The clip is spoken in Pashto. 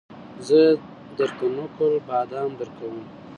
زه درته نقل بادام درکوم